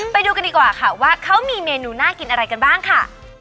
ไปดูกันดีกว่าค่ะว่าเขามีเมนูน่ากินอะไรกันบ้างค่ะ